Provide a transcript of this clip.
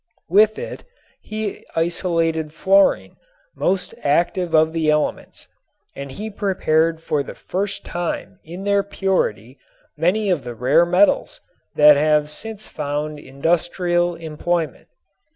With it he isolated fluorine, most active of the elements, and he prepared for the first time in their purity many of the rare metals that have since found industrial employment.